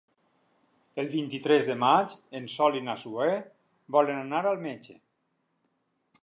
El vint-i-tres de maig en Sol i na Zoè volen anar al metge.